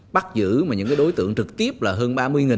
bắt giữ những đối tượng trực tiếp là hơn ba mươi